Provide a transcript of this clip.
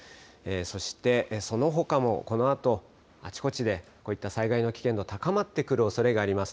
そして、そのほかもこのあと、あちこちでこういった災害の危険度、高まってくるおそれがあります。